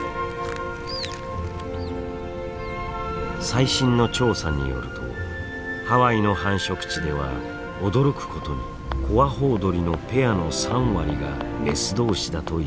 最新の調査によるとハワイの繁殖地では驚くことにコアホウドリのペアの３割がメス同士だといいます。